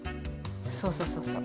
そうそうそうそう。